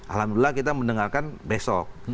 alhamdulillah kita mendengarkan besok